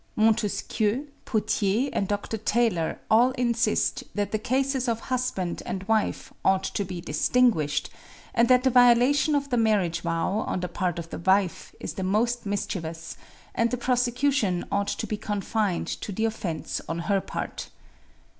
Montesquieu, Pothier, and Dr. Taylor all insist that the cases of husband and wife ought to be distinguished, and that the violation of the marriage vow, on the part of the wife, is the most mischievous, and the prosecution ought to be confined to the offense on her part.